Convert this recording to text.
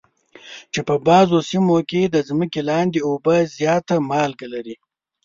چې په بعضو سیمو کې د ځمکې لاندې اوبه زیاته مالګه لري.